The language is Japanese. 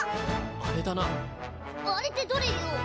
あれってどれよ！